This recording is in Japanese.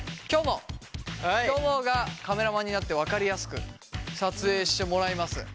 きょもがカメラマンになって分かりやすく撮影してもらいます。